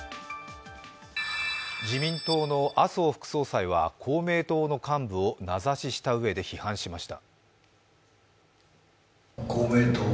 自民党の麻生副総裁は公明党の幹部を名指ししたうえで批判しました。